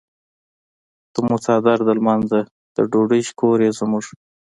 ته مو څادر د لمانځۀ د ډوډۍ شکور یې زموږ.